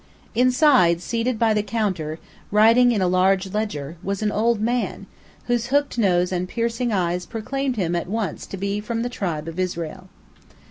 Inside, seated by the counter, writing in a large ledger, was an old man, whose hooked nose and piercing eyes proclaimed him at once to be from the tribe of Israel.